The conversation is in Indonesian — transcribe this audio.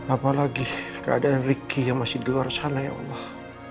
apalagi keadaan ricky yang masih di luar sana ya allah